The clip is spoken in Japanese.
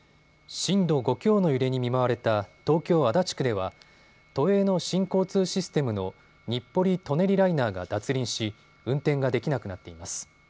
震度５強の揺れに見舞われた東京足立区では都営の新交通システムの日暮里・舎人ライナーが脱輪し運転ができなくなっています。